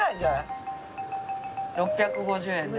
６５０円で。